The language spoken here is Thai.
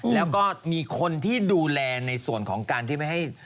แล้วก็มีคนที่ดูแลในส่วนของการที่ไม่ให้